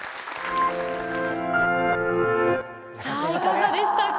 さあいかがでしたか？